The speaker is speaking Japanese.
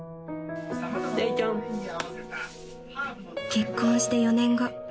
［結婚して４年後］